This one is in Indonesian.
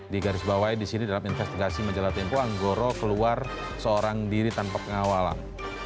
di garis bawahi di sini dalam investigasi majalah tempo anggoro keluar seorang diri tanpa pengawalan